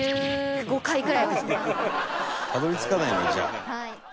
「たどり着かないのよじゃあ」